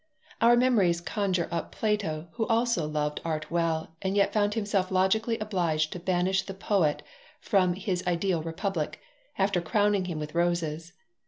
Our memories conjure up Plato, who also loved art well, and yet found himself logically obliged to banish the poet from his ideal Republic, after crowning him with roses.